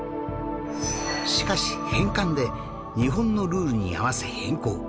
しかし返還で日本のルールに合わせ変更